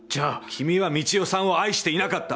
「君は三千代さんを愛していなかった」。